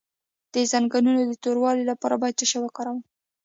د زنګونونو د توروالي لپاره باید څه شی وکاروم؟